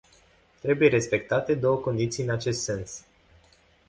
Trebuie respectate două condiții în acest sens.